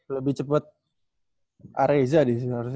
lebih cepet areza disini harusnya